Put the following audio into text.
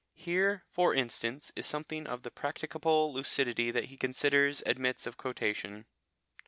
Here, for instance, is something of practicable lucidity that he considers admits of quotation.